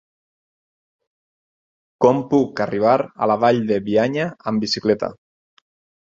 Com puc arribar a la Vall de Bianya amb bicicleta?